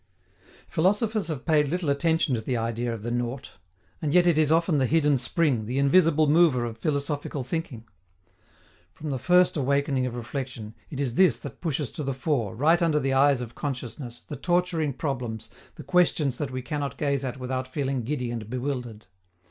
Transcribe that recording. Philosophers have paid little attention to the idea of the nought. And yet it is often the hidden spring, the invisible mover of philosophical thinking. From the first awakening of reflection, it is this that pushes to the fore, right under the eyes of consciousness, the torturing problems, the questions that we cannot gaze at without feeling giddy and bewildered.